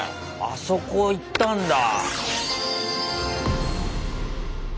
あそこ行ったんだ！